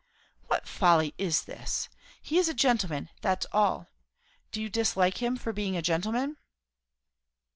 "What folly is this? He is a gentleman, that's all. Do you dislike him for being a gentleman?"